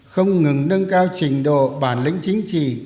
không ngừng nâng cao trình độ bản lĩnh chính trị